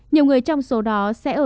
nhiều người trong số đó sẽ ở